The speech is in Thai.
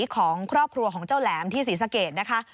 ของครอบครัวของเจ้าแหลมที่ศรีสะเกดนะคะ